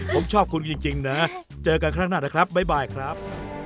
ผมชอบคุณจริงนะเจอกันข้างหน้านะครับบ๊ายครับ